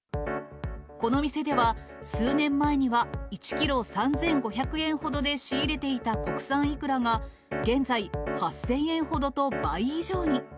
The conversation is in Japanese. この店では、数年前には１キロ３５００円ほどで仕入れていた国産イクラが、現在８０００円ほどと倍以上に。